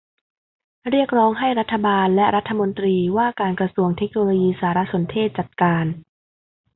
เรียกร้องให้รัฐบาลและรัฐมนตรีว่าการกระทรวงเทคโนโลยีสารสนเทศจัดการ